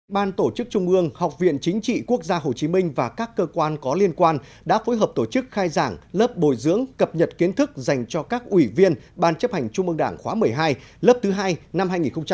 ban tổ chức trung ương học viện chính trị quốc gia hồ chí minh và các cơ quan có liên quan đã phối hợp tổ chức khai giảng lớp bồi dưỡng cập nhật kiến thức dành cho các ủy viên ban chấp hành trung ương đảng khóa một mươi hai lớp thứ hai năm hai nghìn hai mươi